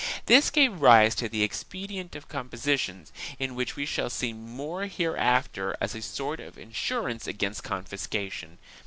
This gave rise to the expedient of compositions, of which we shall see more hereafter, as a sort of insurance against confiscation.